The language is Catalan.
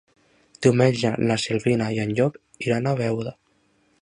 Diumenge na Sibil·la i en Llop iran a Beuda.